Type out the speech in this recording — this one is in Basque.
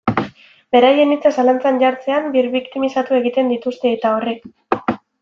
Beraien hitza zalantzan jartzean birbiktimizatu egiten dituzte, eta horrek.